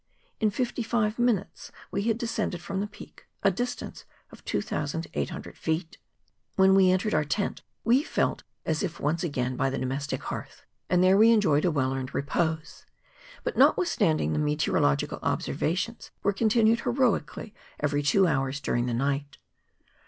In fifty five minutes we had descended from the peak, a distance of 2800 feet. Wfiien we entered our tent, we felt as if once again by the domestic hearth, and there we enjoyed a well earned repose. But, notwithstanding, the me¬ teorological observations were continued heroically every two hours during the night.